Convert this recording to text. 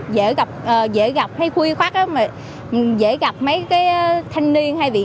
dễ gặp hay khuy khoát dễ gặp mấy cái thanh niên hay vị trí